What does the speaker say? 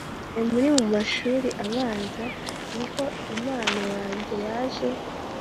Igihe nari mu mashuri abanza niho impano yanjye yaje